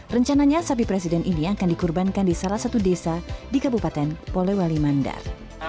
rencananya sapi presiden ini akan dikurbankan di salah satu desa di kabupaten polewali mandar